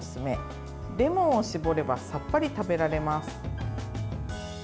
レモンを搾ればさっぱり食べられます。